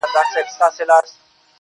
زه ، ته او سپوږمۍ.